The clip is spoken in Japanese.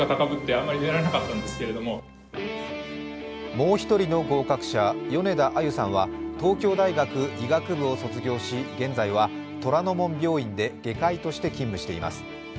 もう一人の合格者米田あゆさんは東京大学医学部を卒業し現在は虎ノ門病院で外科医として勤務しています。